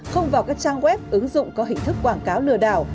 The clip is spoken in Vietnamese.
không vào các trang web ứng dụng có hình thức quảng cáo lừa đảo